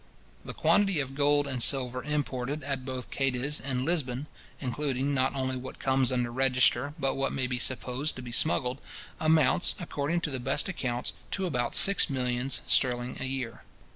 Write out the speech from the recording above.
The quantity of gold and silver imported at both Cadiz and Lisbon (including not only what comes under register, but what may be supposed to be smuggled) amounts, according to the best accounts, to about six millions sterling a year.